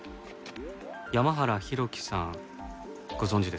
山原浩喜さんご存じですか？